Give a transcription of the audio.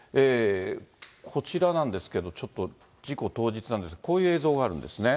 こちらなんですけど、ちょっと事故当日なんですが、こういう映像があるんですね。